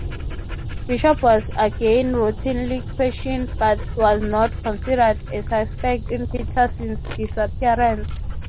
Bishop was again routinely questioned, but was not considered a suspect in Peterson's disappearance.